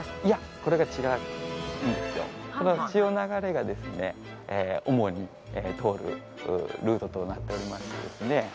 いやこれがこの千代流がですね主に通るルートとなっておりましてですね